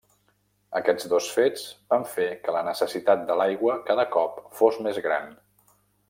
Aquests dos fets van fer que la necessitat de l’aigua cada cop fos més gran.